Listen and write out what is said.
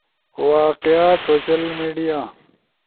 واقعات، سوشل میڈیا